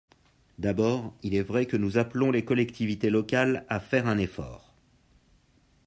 D’abord, il est vrai que nous appelons les collectivités locales à faire un effort.